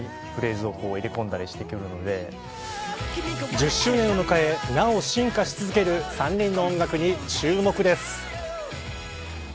１０周年を迎えなお進化し続ける３人の音楽に注目です。